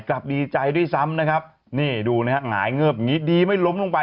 กลับดีใจด้วยซ้ำนะครับนี่ดูนะฮะหงายเงิบอย่างงี้ดีไม่ล้มลงไป